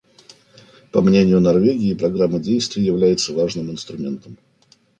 По мнению Норвегии, Программа действий является важным инструментом.